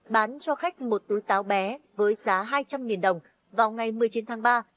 bán cho khách một túi táo bé với giá hai trăm linh đồng vào ngày một mươi chín tháng ba